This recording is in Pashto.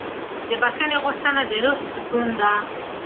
د بښنې غوښتنه د روح سکون ده.